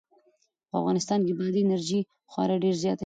په افغانستان کې بادي انرژي خورا ډېر زیات اهمیت لري.